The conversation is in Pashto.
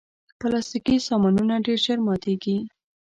پلاستيکي سامانونه ډېر ژر ماتیږي.